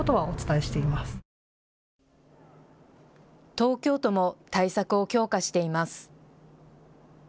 東京都も対策を強化しています。